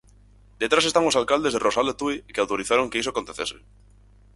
Detrás están os alcaldes do Rosal e Tui que autorizaron que isto acontecese.